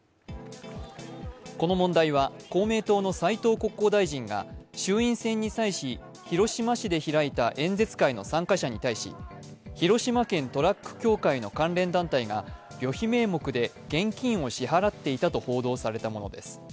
この問題は公明党の斉藤国交大臣が衆院選に際し、広島市で開いた演説会の参加者に対し広島県トラック協会の関連団体が旅費名目で現金を支払っていたと報道されたものです。